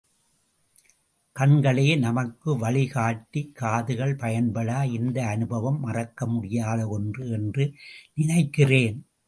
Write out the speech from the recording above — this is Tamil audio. கண்களே நமக்கு வழி காட்டி காதுகள் பயன் படா இந்த அனுபவம் மறக்கமுடியாத ஒன்று என்று நினைக்கிறேன்.